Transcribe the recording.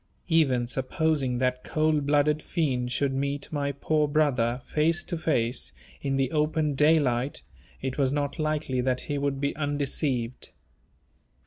Even supposing that cold blooded fiend should meet my poor brother, face to face, in the open daylight, it was not likely that he would be undeceived.